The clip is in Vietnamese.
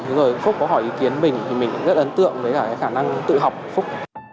rồi phúc có hỏi ý kiến mình thì mình rất ấn tượng với cả cái khả năng tự học phúc